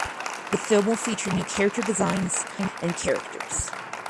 The film will feature new character designs and characters.